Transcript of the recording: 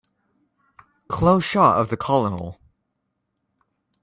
Close shot of the COLONEL.